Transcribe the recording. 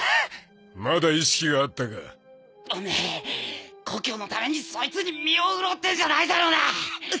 まだ意識があったかオメエ故郷のためにそいつに身を売ろうってんじゃないだろうな